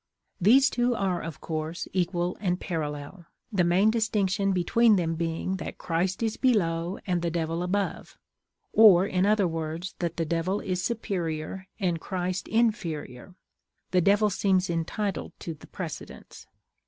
These two are of course equal and parallel, the main distinction between them being that Christ is below, and the Devil above, or, in other words, that the Devil is superior and Christ inferior (the Devil seems entitled to the precedence).